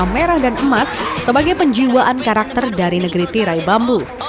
merah dan emas sebagai penjiwaan karakter dari negeri tirai bambu